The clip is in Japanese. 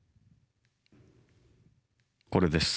これです。